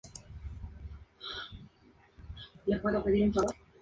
En la religión católica, su representación corresponde a la Virgen Nuestra Señora del Carmen.